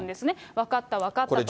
分かった分かったと。